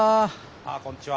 ああこんにちは。